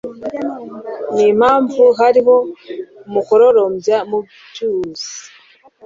n'impamvu hariho umukororombya mu byuzi